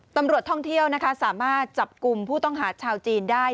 ตำรวจท่องเที่ยวนะคะสามารถจับกลุ่มผู้ต้องหาชาวจีนได้